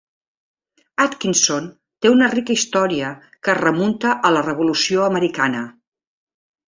Atkinson té una rica història que es remunta a la Revolució Americana.